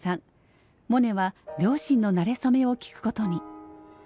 モネは両親のなれ初めを聞くことに。